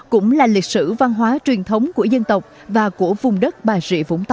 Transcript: cũng là lịch sử văn hóa truyền thống của dân tộc và của vùng đất bà rịa vũng tàu